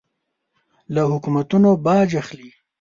له حکومتونو باج اخلي.